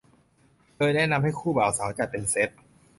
โดยแนะนำให้คู่บ่าวสาวจัดเป็นเซต